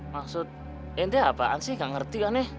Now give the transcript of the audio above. maksud itu apaan sih gak ngerti kan nih